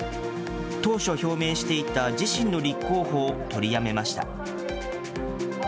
当初表明していた自身の立候補を取りやめました。